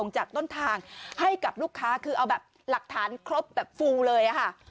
จากต้นทางให้กับลูกค้าคือเอาแบบหลักฐานครบแบบฟูเลยค่ะ